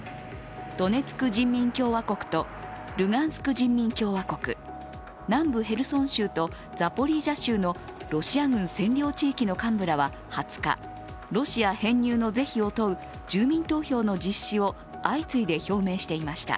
ドネツク人民共和国とルガンスク人民共和国、南部ヘルソン州とザポリージャ州のロシア軍占領地域の幹部らは２０日、ロシア編入の是非を問う住民投票の実施を相次いで表明していました。